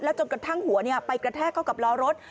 จนกระทั่งหัวไปกระแทกเข้ากับล้อรถ